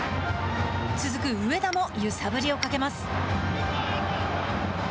続く上田も揺さぶりをかけます。